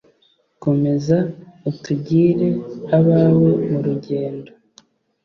komeza utugire abawe mu rugendo